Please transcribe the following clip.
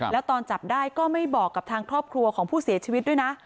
แล้วตอนจับได้ก็ไม่บอกกับทางครอบครัวของผู้เสียชีวิตด้วยนะ